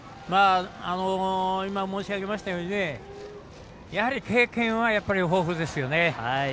今、申し上げましたように経験は、やっぱり豊富ですよね。